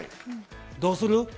どうする？